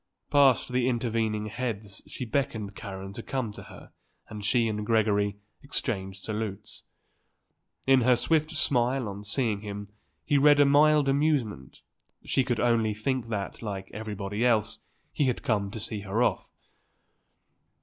Past the intervening heads she beckoned Karen to come to her and she and Gregory exchanged salutes. In her swift smile on seeing him he read a mild amusement; she could only think that, like everybody else, he had come to see her off.